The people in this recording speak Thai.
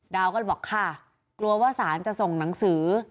ดาวก็เลยบอกค่ะกลัวว่าศาลจะส่งหนังสือ